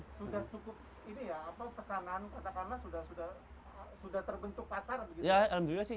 sudah cukup pesanan kata kamu sudah terbentuk pacar